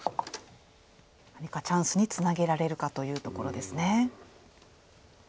何かチャンスにつなげられるかというところですね。